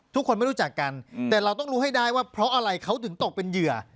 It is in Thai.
ไม่รู้จักกันแต่เราต้องรู้ให้ได้ว่าเพราะอะไรเขาถึงตกเป็นเหยื่อ